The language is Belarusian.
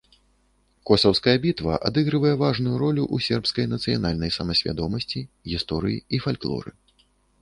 Косаўская бітва адыгрывае важную ролю ў сербскай нацыянальнай самасвядомасці, гісторыі і фальклоры.